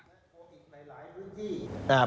พวกอีกหลายพื้นที่